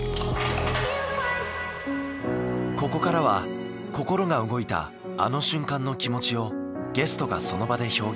ここからは心が動いたあの瞬間の気持ちをゲストがその場で表現。